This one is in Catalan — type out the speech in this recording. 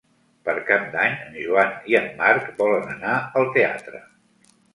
Per Cap d'Any en Joan i en Marc volen anar al teatre.